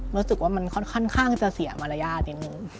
รู้สึกว่ามันค่อนข้างจะเสียมารยาทนิดนึง